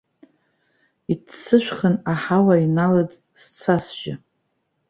Иццышәхан, аҳауа иналаӡт сцәа-сжьы.